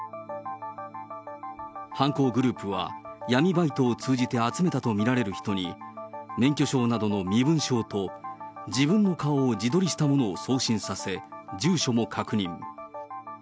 犯行グループは、闇バイトを通じて集めたと見られる人に、免許証などの身分証と、自分の顔を自撮りしたものを送信させ、住所も確認。